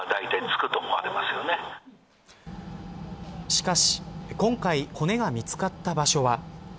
しかし今回骨が見つかった場所は。